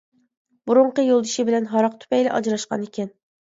بۇرۇنقى يولدىشى بىلەن ھاراق تۈپەيلى ئاجراشقان ئىكەن.